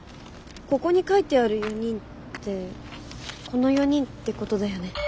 ここに書いてある４人ってこの４人ってことだよね。